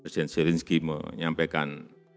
presiden zelensky menyampaikan